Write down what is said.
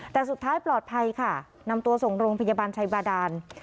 แต่สุดท้ายปลอดภัยค่ะนำตัวส่งโรงพยาบาลชัยบาดาน